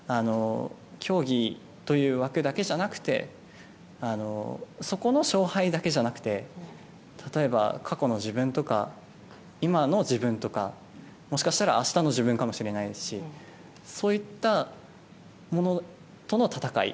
競技という枠だけじゃなくてそこの勝敗だけじゃなくて例えば過去の自分とか今の自分とかもしかしたら明日の自分かもしれないですしそういったものとの闘い。